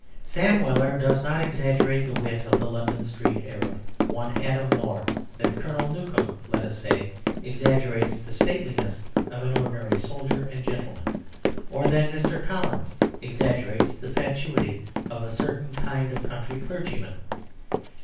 Sam Weller does not exaggerate the wit of the London street arab one atom more than Colonel Newcome, let us say, exaggerates the stateliness of an ordinary soldier and gentleman, or than Mr. Collins exaggerates the fatuity of a certain kind of country clergyman.